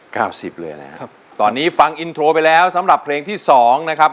สิบเลยนะครับตอนนี้ฟังอินโทรไปแล้วสำหรับเพลงที่สองนะครับ